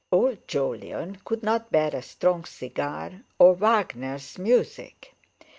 Old Jolyon could not bear a strong cigar or Wagner's music.